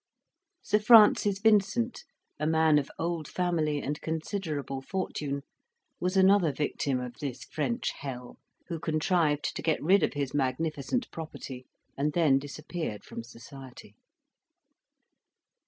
Sir Francis Vincent a man of old family and considerable fortune was another victim of this French hell, who contrived to get rid of his magnificent property, and then disappeared from society.